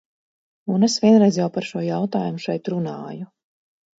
Un es vienreiz jau par šo jautājumu šeit runāju.